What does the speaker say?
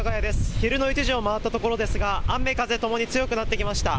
昼の１時を回ったところですが雨風ともに強くなってきました。